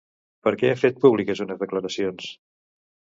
Per què ha fet públiques unes declaracions?